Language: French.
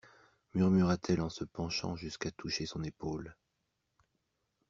Murmura-t-elle en se penchant jusqu'à toucher son épaule.